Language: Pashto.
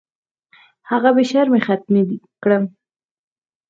هغه بې شرمۍ ختمې کړم.